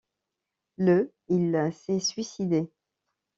Le il s'est suicidé.